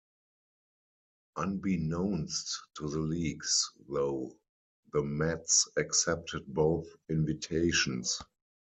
Unbeknownst to the leagues, though, the Mets accepted both invitations.